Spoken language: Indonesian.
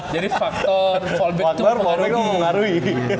jadi faktor fallback tuh mengaruhi